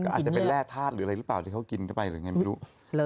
อาจจะเป็นแร่ธาตุหรืออะไรหรือเปล่าที่เขากินเข้าไปหรือไงไม่รู้